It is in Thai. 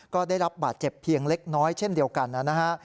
ก็ได้รับบาดเจ็บเพียงเล็กน้อยเช่นเดียวกันนะฮะ